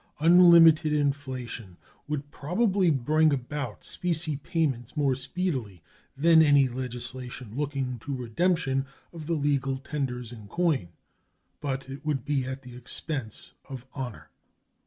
Unlimited inflation would probably bring about specie payments more speedily than any legislation looking to redemption of the legal tenders in coin; but it would be at the expense of honor.